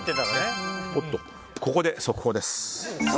ここで速報です。